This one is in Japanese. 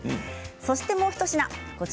そしてもう一品。